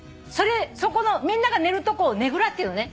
みんなが寝るとこをねぐらっていうのね。